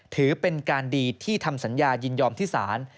ถือเป็นการดีที่ทำสัญญายินยอมที่ศาล